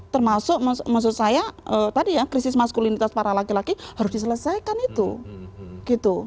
termasuk maksud saya tadi ya krisis maskulinitas para laki laki harus diselesaikan itu gitu